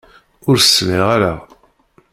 Ur sliɣ ara.